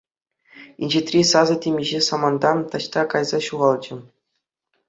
Инҫетри сасӑ темиҫе саманта таҫта кайса ҫухалчӗ.